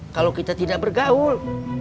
kalau kita tidak bergaul